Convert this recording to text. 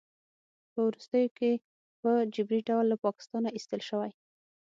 په وروستیو کې په جبري ډول له پاکستانه ایستل شوی